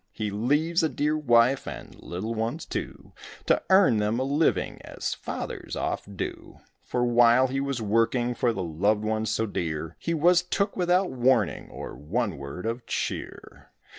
He leaves a dear wife and little ones, too, To earn them a living, as fathers oft do; For while he was working for the loved ones so dear He was took without warning or one word of cheer.